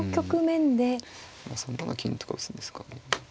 ３七金とか打つんですかね。